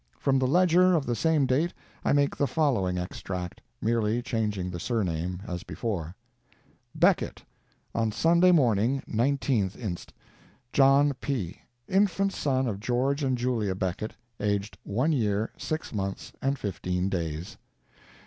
From the _Ledger _of the same date I make the following extract, merely changing the surname, as before: Becket. On Sunday morning, 19th inst., John P., infant son of George and Julia Becket, aged 1 year, 6 months, and 15 days.